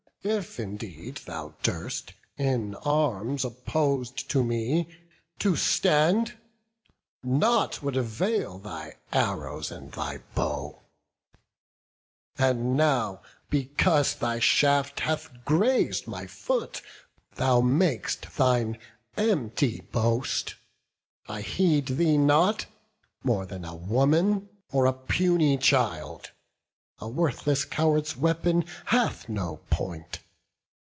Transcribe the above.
if indeed Thou durst in arms oppos'd to me to stand, Nought would avail thy arrows and thy bow: And now, because thy shaft hath graz'd my foot, Thou mak'st thine empty boast: I heed thee not, More than a woman or a puny child: A worthless coward's weapon hath no point.